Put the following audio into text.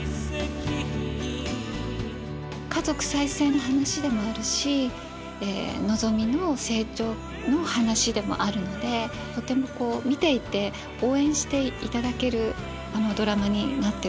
家族再生の話でもあるしのぞみの成長の話でもあるのでとてもこう見ていて応援していただけるドラマになってると思います。